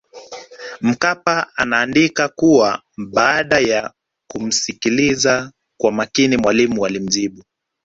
Mkapa anaandika kuwa baada ya kumsikiliza kwa makini Mwalimu alimjibu